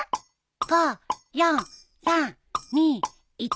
５４３２１。